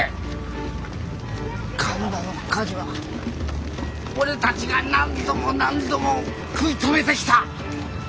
神田の火事は俺たちが何度も何度も食い止めてきた！